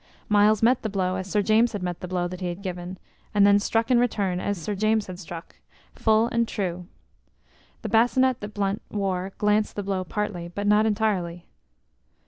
Myles met the blow as Sir James had met the blow that he had given, and then struck in return as Sir James had struck full and true. The bascinet that Blunt wore glanced the blow partly, but not entirely.